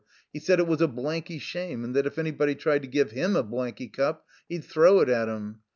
He said it was a blanky shame, and that if anybody tried to give him a blanky cup, he'd throw it at 'em.